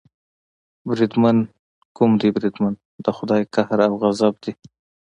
بریدمن، کوم دی بریدمن، د خدای قهر او غضب دې.